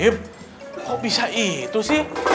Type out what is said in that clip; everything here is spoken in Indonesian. pak d kok bisa itu sih